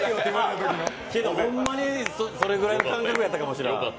いや、でもほんまにそれくらいの感覚だったかもしれん。